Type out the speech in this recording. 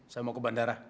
saya mau ke bandara